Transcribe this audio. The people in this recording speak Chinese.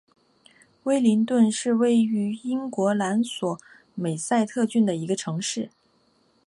威灵顿是位于英格兰索美塞特郡的一个城市。